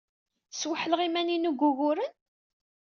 Sweḥleɣ iman-inu deg wuguren?